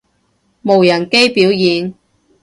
無人機表演